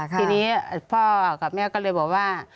ทีนี้พ่อกับแม่ก็เลยบอกว่า